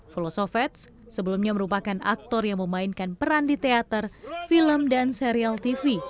filosovets sebelumnya merupakan aktor yang memainkan peran di teater film dan serial tv